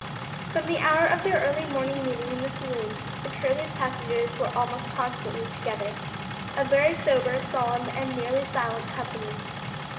From the hour of their early morning meeting in the saloon the Curlew's passengers were almost constantly together, a very sober, solemn, and nearly silent company.